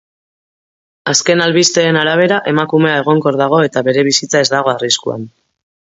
Azken albisteen arabera, emakumea egonkor dago eta bere bizitza ez dago arriskuan.